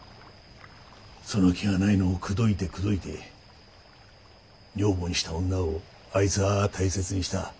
その気がないのを口説いて口説いて女房にした女をあいつは大切にした。